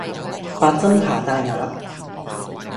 八珍扒大鴨